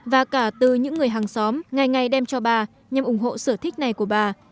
và cả từ những người hàng xóm ngày ngày đem cho bà nhằm ủng hộ sở thích này của bà